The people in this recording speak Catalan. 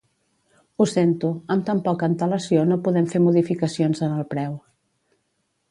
Ho sento, amb tan poca antel·lació no podem fer modificacions en el preu.